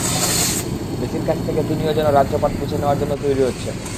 মেসির কাছ থেকে তিনিও যেন রাজ্যপাট বুঝে নেওয়ার জন্য তৈরি হচ্ছেন।